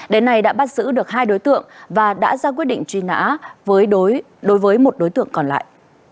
đến nay đã bắt giữ được hai đối tượng và đã ra quyết định truy nã đối với một đối tượng còn lại